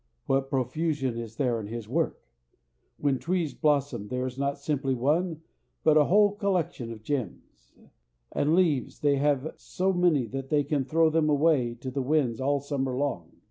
What profusion is there in his work! When trees blossom, there is not simply one, but a whole collection of gems; and of leaves, they have so many that they can throw them away to the winds all Summer long.